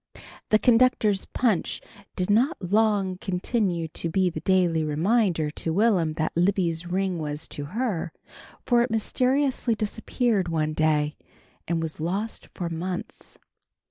The conductor's punch did not long continue to be the daily reminder to Will'm that Libby's ring was to her, for it mysteriously disappeared one day, and was lost for months.